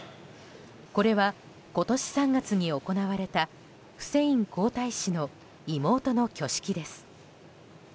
これは、今年３月に行われたフセイン皇太子の妹の挙式です。